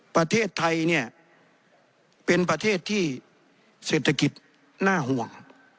ประเทศไทยเนี่ยเป็นประเทศที่เศรษฐกิจน่าห่วง